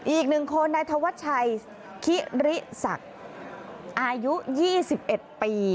อีกหนึ่งคนในทวชชัยคิริสักอายุ๒๑ปี